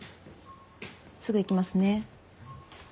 すぐ行きますね。